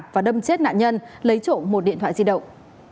và đâm chết nạn nhân lấy trộm một điện thoại di động